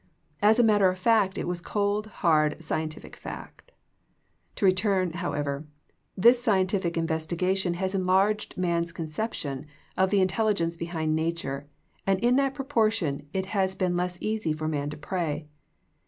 As a matter of fact it was cold, hard, scientific fact. To return, however, this scientific investi gation has enlarged man's conception of the in telligence behind nature, and in that proportion it has been less easy for man to pray.